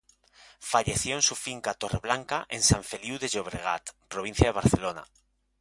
Falleció en su finca Torre Blanca, en San Feliú de Llobregat, provincia de Barcelona.